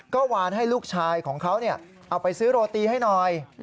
ก็วานให้ลูกชายของเขาเอาไปซื้อโรตีให้หน่อย